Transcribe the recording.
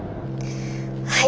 はい。